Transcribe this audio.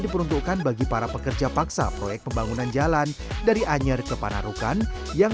diperuntukkan bagi para pekerja paksa proyek pembangunan jalan dari anyer ke panarukan yang